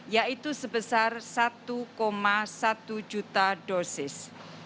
yaitu sebesar satu satu juta dosis